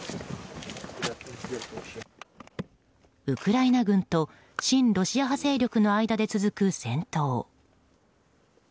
ウクライナ軍と親ロシア派勢力の間で続く戦闘。